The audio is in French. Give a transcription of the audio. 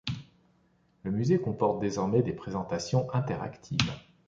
Le musée comporte désormais des présentations interactives.